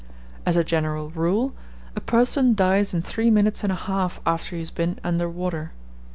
As a general rule, a person dies in three minutes and a half after he has been under water.